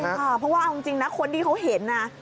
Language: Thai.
ใช่ค่ะเพราะว่าเอาจริงคนดีเขาเห็นว่า